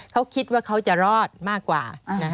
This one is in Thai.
เขาคิดว่าเขาจะรอดมากกว่า